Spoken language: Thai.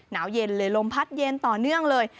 หนาวเย็นเลยลมพัดเย็นต่อเนื่องเลย